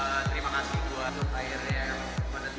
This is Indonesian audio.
terima kasih buat airnya